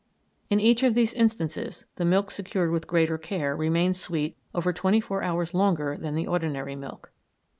In each of these instances the milk secured with greater care remained sweet over twenty four hours longer than the ordinary milk."